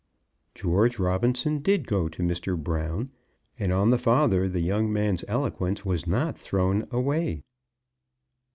George Robinson did go to Mr. Brown, and on the father the young man's eloquence was not thrown away.